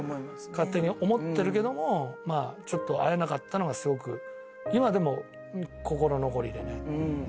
勝手に思ってるけれども、まあ、ちょっと会えなかったのはすごく今でも心残りでね。